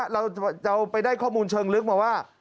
เราจะไปได้ข้อมูลเชิงลึกมาว่า